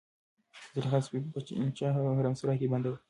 زلیخا د صفوي پاچا په حرمسرای کې بندي وه.